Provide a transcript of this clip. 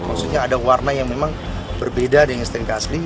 maksudnya ada warna yang memang berbeda dengan stnk asli